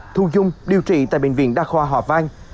thu dung điều trị tại bệnh viện đa khoa hòa vang